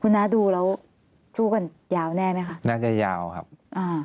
น้าดูแล้วสู้กันยาวแน่ไหมคะน่าจะยาวครับอ่า